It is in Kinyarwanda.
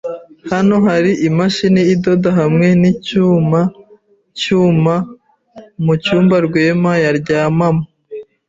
Hano hari imashini idoda hamwe nicyuma cyuma mucyumba Rwema yaryamamo.